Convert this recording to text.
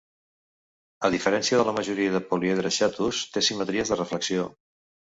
A diferència de la majoria de políedres xatos, té simetries de reflexió.